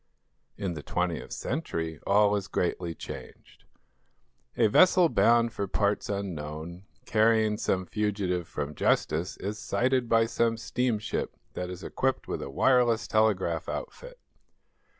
In the twentieth century all is greatly changed. A vessel bound for parts unknown, carrying some fugitive from justice, is sighted by some steamship that is equipped with a wireless telegraph outfit.